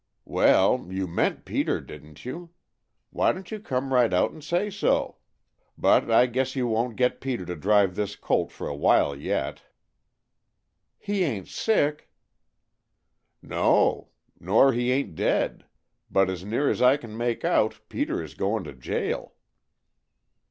"Well, you meant Peter, didn't you? Why don't you come right out and say so? But I guess you won't get Peter to drive this colt for a while yet." "He ain't sick?" "No. Nor he ain't dead. But as near as I can make out Peter is goin' to jail."